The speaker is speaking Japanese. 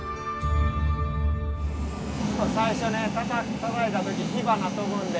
最初ね叩いた時火花飛ぶんで。